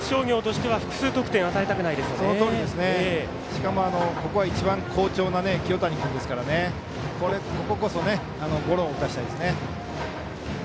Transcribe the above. しかも、ここは一番好調な清谷くんですからこここそ、ゴロを打たせたいです。